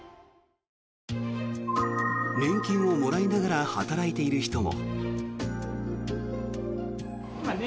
年金をもらいながら働いている人も。